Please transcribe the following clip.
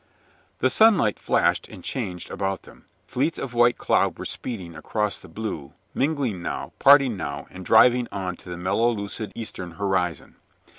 The sunlight flashed and changed about them. Fleets of white cloud were speeding across the blue, mingling now, now parting and driving on to the mellow lucid eastern horizon.